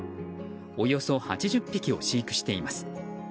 およそ８０匹を飼育しています。